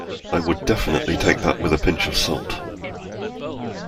I would definitely take that with a pinch of salt